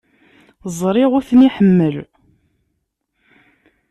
Ẓriɣ ur ten-iḥemmel.